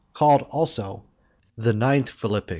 CALLED ALSO THE TENTH PHILIPPIC.